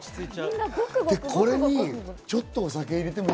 これにちょっとお酒入れても